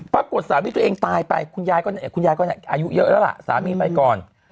สามีตัวเองตายไปคุณยายก็อายุเยอะแล้วล่ะสามีไปก่อน